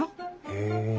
へえ。